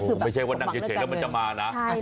โอ้โหไม่ใช่ว่านางเฉยแล้วมันจะมานะ